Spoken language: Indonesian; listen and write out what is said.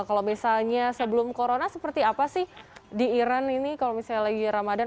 kalau misalnya sebelum corona seperti apa sih di iran ini kalau misalnya lagi ramadhan